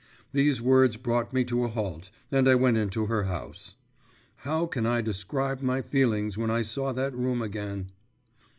These words brought me to a halt, and I went into her house. How can I describe my feelings when I saw that room again?